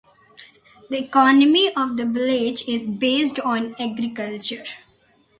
The economy of the village is based on agriculture.